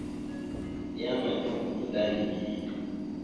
Yan eteŋ voto da neke.